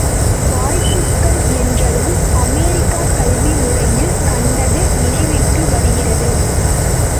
வாய்ப்புகள் என்றதும் அமெரிக்கக் கல்வி முறையில் கண்டது நினைவிற்கு வருகிறது.